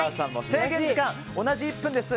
制限時間は、同じ１分です。